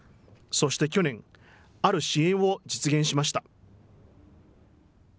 そして去年、ある支援を実現しました。